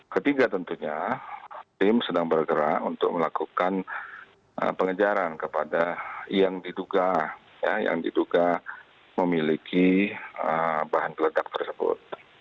ketiga tentunya tim sedang bergerak untuk melakukan pengejaran kepada yang diduga memiliki bahan peledak tersebut